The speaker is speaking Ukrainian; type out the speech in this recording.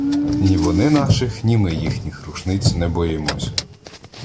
Ні вони наших, ні ми їхніх рушниць не боїмося.